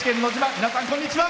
皆さん、こんにちは。